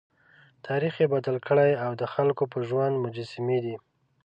تاریخ یې بدل کړی او د خلکو په ژوند مجسمې دي.